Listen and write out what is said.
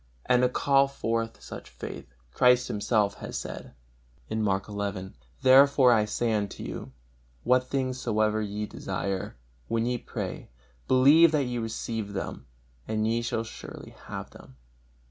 And to call forth such faith, Christ Himself has said, Mark xi: "Therefore I say unto you, What things soever ye desire, when ye pray, believe that ye receive them, and ye shall surely have them."